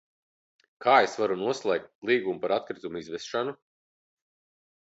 Kā es varu noslēgt līgumu par atkritumu izvešanu?